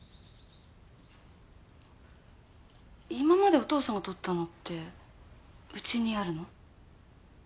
今までお父さんが撮ったのってうちにあるの？